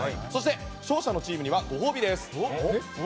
勝者のチームにはご褒美です。